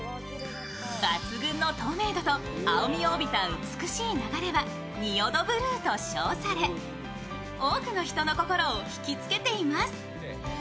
抜群の透明度と青みを帯びた美しい流れは仁淀ブルーと称され、多くの人の心を引きつけています。